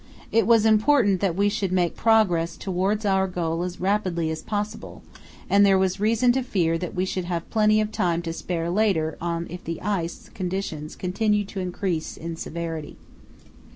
It was important that we should make progress towards our goal as rapidly as possible, and there was reason to fear that we should have plenty of time to spare later on if the ice conditions continued to increase in severity.